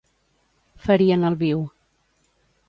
Ferir en el viu.